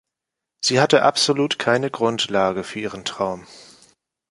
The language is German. Sie hatte absolut keine Grundlage für ihren Traum.